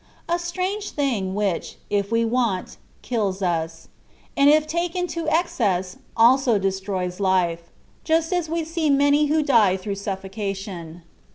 A strange thing, which, if we want, kills us ; and if taken to excess, also destroys life ; just as we see many who die through sufibcation.